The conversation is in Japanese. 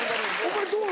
お前どう？